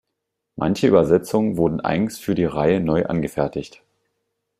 Manche Übersetzungen wurden eigens für die Reihe neu angefertigt.